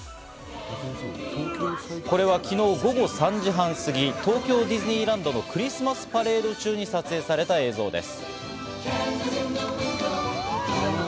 これは昨日午後３時半過ぎ、東京ディズニーランドのクリスマスパレード中に撮影された映像です。